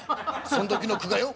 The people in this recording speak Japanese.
そん時の句がよ